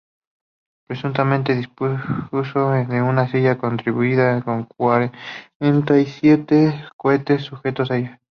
Presuntamente dispuso de una silla construida con cuarenta y siete cohetes sujetos a ella.